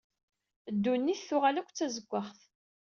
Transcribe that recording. Ddunit tuɣal akk d ttazeggaɣt.